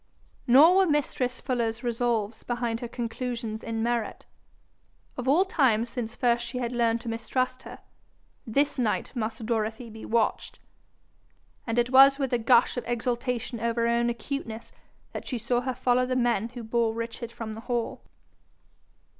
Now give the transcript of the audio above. Nor were mistress Fuller's resolves behind her conclusions in merit: of all times since first she had learned to mistrust her, this night must Dorothy be watched; and it was with a gush of exultation over her own acuteness that she saw her follow the men who bore Richard from the hall.